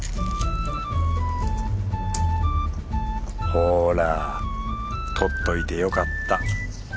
ほら取っておいてよかった。